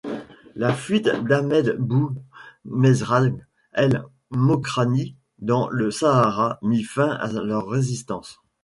La fuite d'Ahmed Bou-Mezrag El Mokrani dans le Sahara mit fin à leur résistance.